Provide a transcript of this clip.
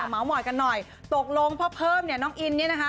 เมาส์มอยกันหน่อยตกลงพ่อเพิ่มเนี่ยน้องอินเนี่ยนะคะ